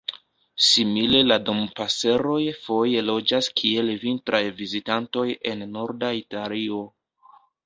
Simile la Dompaseroj foje loĝas kiel vintraj vizitantoj en norda Italio.